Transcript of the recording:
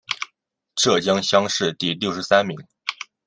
浙江乡试第六十三名。